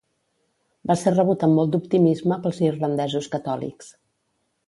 Va ser rebut amb molt d'optimisme pels irlandesos catòlics.